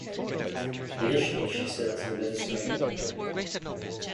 Initially she sailed to the Mediterranean.